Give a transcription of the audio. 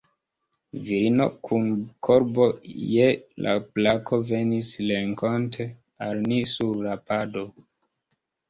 Virino kun korbo je la brako venis renkonte al ni sur la pado.